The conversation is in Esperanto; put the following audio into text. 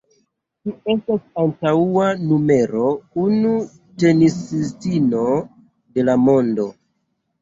Ŝi estas antaŭa numero unu tenisistino de la mondo.